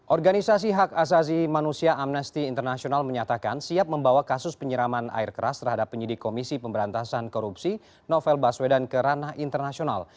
organisasi hak asasi manusia amnesty international menyatakan siap membawa kasus penyiraman air keras terhadap penyidik komisi pemberantasan korupsi novel baswedan ke ranah internasional